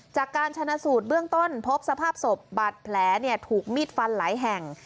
จากการชนะสูตรเบื้องต้นพบสภาพศพบาดแผลถูกมีดฟันหลายแห่ง